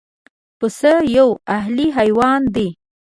پسه یو اهلي حیوان دی.